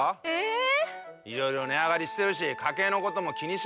いろいろ値上がりしてるし家計のことも気にしねぇとな。